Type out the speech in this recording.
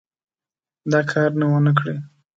دا کار ونه کړي.